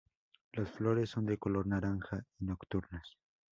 Las flores son de color naranja y nocturnas.